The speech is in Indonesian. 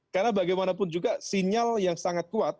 karena bagaimanapun juga sinyal yang sangat kuat